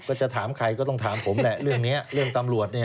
จะถามใครก็ต้องถามผมแหละเรื่องนี้เรื่องตำรวจ